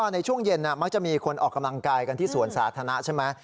ในช่วงเย็นมักจะมีคนออกกำลังกายกันที่สวนสาธารณะใช่ไหม